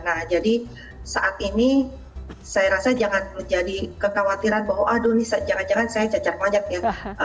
nah jadi saat ini saya rasa jangan menjadi kekhawatiran bahwa aduh ini jangan jangan saya cacar majak ya